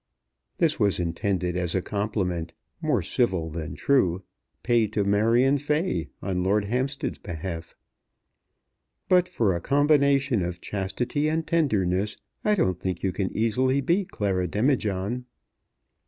This was intended as a compliment, more civil than true, paid to Marion Fay on Lord Hampstead's behalf. "But for a combination of chastity and tenderness I don't think you can easily beat Clara Demijohn."